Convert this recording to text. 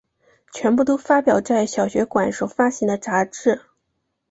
全部都发表在小学馆所发行的杂志。